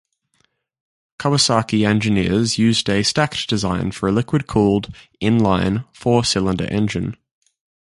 Kawasaki engineers used a stacked design for a liquid-cooled, inline four-cylinder engine.